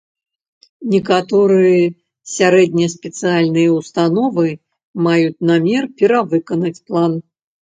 Некаторыя сярэднеспецыяльныя ўстановы маюць намер перавыканаць план.